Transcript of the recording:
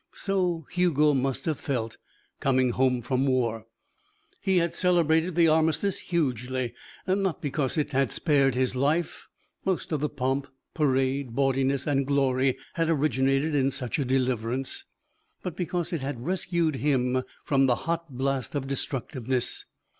So Hugo must have felt coming home from war. He had celebrated the Armistice hugely, not because it had spared his life most of the pomp, parade, bawdiness, and glory had originated in such a deliverance but because it had rescued him from the hot blast of destructiveness.